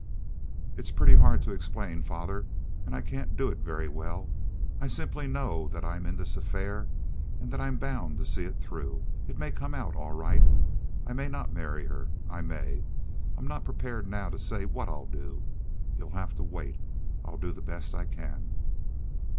"It's pretty hard to explain, father, and I can't do it very well. I simply know that I'm in this affair, and that I'm bound to see it through. It may come out all right. I may not marry her—I may. I'm not prepared now to say what I'll do. You'll have to wait. I'll do the best I can."